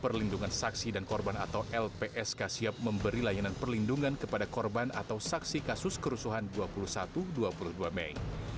perlindungan saksi dan korban atau lpsk siap memberi layanan perlindungan kepada korban atau saksi kasus kerusuhan dua puluh satu dua puluh dua mei